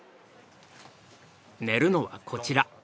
寝るのはこちら。